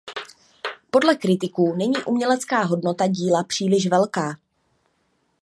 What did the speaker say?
Podle kritiků není umělecká hodnota díla příliš velká.